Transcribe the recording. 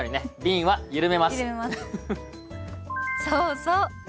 そうそう。